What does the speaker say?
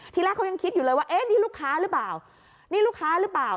ทีแรกเขายังคิดอยู่เลยว่านี่ลูกค้าหรือเปล่า